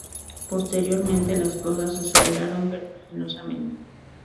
Posteriormente, las cosas aceleraron vertiginosamente.